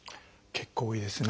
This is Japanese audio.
結構多いですね。